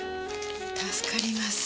助かります